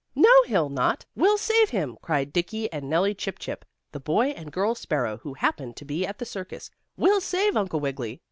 "No, he'll not! We'll save him!" cried Dickie and Nellie Chip Chip, the boy and girl sparrow, who happened to be at the circus. "We'll save Uncle Wiggily!"